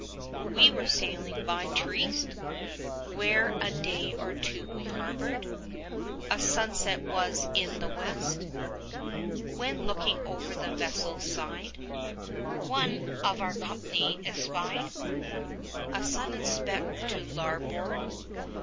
'We were sailing by Triest, Where a day or two we harboured: 55 A sunset was in the West, When, looking over the vessel's side, One of our company espied A sudden speck to larboard.